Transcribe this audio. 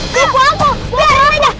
bawa aku biarin aja